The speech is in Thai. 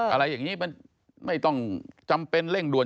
อะไรอย่างนี้มันไม่ต้องจำเป็นเร่งด่วน